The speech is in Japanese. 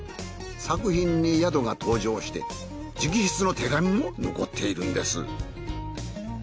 作品に宿が登場して直筆の手紙も残っているんです。